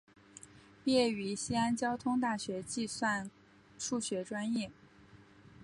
毕业于西安交通大学计算数学专业。